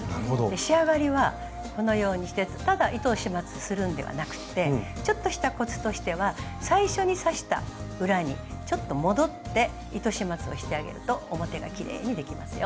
仕上がりはこのようにしてただ糸を始末するんではなくてちょっとしたコツとしては最初に刺した裏にちょっと戻って糸始末をしてあげると表がきれいにできますよ。